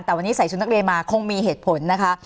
แต่วันนี้ใส่ชุดนักเรียนมาคงมีเหตุผลนะคะ